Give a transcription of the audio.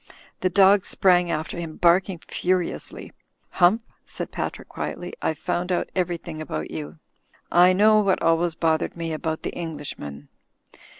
The dog sprang after him, barking furiously. "Hump," said Patrick, quietly. "I've found out everything about you. I know what always bothered me about the Englishman."